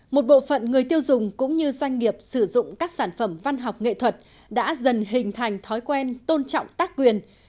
một bộ phận người tiêu dùng cũng như doanh nghiệp sử dụng các sản phẩm văn học nghệ thuật đã dần hình thành thói quen tôn trọng tác quyền